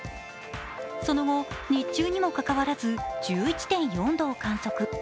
その後、日中にもかかわらず１１．４度を観測。